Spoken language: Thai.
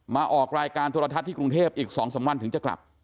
มาออกรายการโทรทัศน์ที่กรุงเทพอีก๒๓วันถึงจะกลับ